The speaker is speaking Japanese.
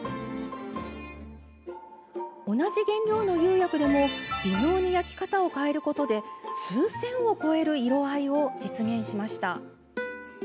同じ原料の釉薬でも微妙に焼き方を変えることで数千を超える色合いを実現しました。